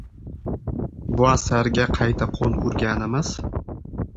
Bu asarga qayta qo‘l urganimiz